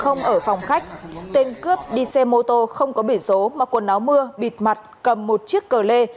không ở phòng khách tên cướp đi xe mô tô không có biển số mà quần áo mưa bịt mặt cầm một chiếc cờ lê